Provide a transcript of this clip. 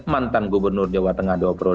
mantan gubernur jawa tengah dewa perode